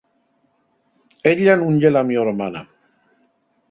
Ella nun ye la mio hermana.